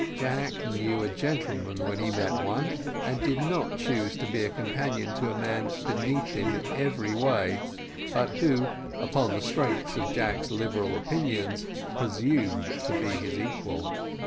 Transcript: Jack knew a gentleman when he met one, and did not choose to be a companion to a man beneath him in every way, but who, upon the strength of Jack's liberal opinions, presumed to be his equal.